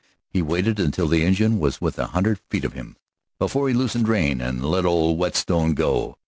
He waited until the engine was within a hundred feet of him before he loosed rein and let old Whetstone go.